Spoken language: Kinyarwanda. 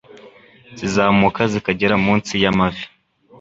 zizamuka zikagera munsi y'amavi